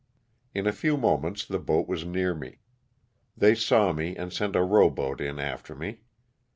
In a few moments the boat was near me. They saw me and sent a row boat in after me.